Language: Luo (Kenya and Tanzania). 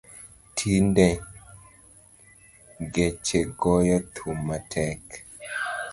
Tinde geche goyo thum matek